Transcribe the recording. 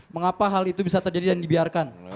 mengapa hal itu bisa terjadi dan dibiarkan